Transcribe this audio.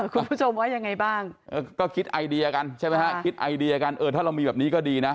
คุณผู้ชมว่ายังไงบ้างก็คิดไอเดียกันใช่ไหมฮะคิดไอเดียกันเออถ้าเรามีแบบนี้ก็ดีนะ